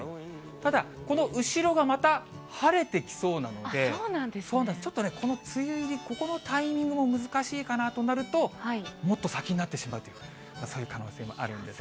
ただ、この後ろが、また晴れてきそうなので、ちょっとね、この梅雨入り、ここのタイミングも難しいかなとなると、もっと先になってしまうという、そういう可能性もあるんですね。